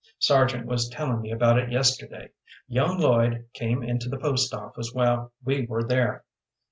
"Sargent was telling me about it yesterday. Young Lloyd came into the post office while we were there."